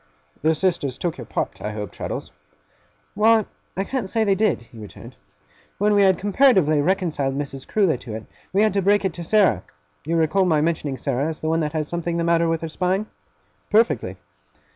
'The sisters took your part, I hope, Traddles?' 'Why, I can't say they did,' he returned. 'When we had comparatively reconciled Mrs. Crewler to it, we had to break it to Sarah. You recollect my mentioning Sarah, as the one that has something the matter with her spine?' 'Perfectly!